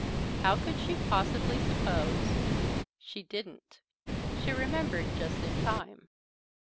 How could she possibly suppose She didn't. She remembered just in time.